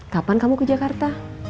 kapan kamu ke jakarta